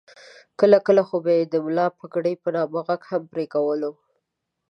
کله کله خو به یې د ملا پګړۍ په نامه غږ هم پرې کولو.